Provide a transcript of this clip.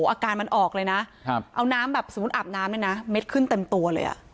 อาการมันออกเลยนะเอาน้ำแบบสมมุติอาบน้ำเนี่ยนะเม็ดขึ้นเต็มตัวเลยอ่ะ